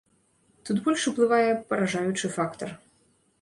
Тут больш уплывае паражаючы фактар.